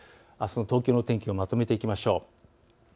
あすの東京の天気をまとめていきましょう。